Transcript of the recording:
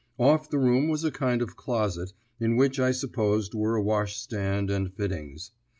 Off the room was a kind of closet, in which I supposed were a washstand and fittings.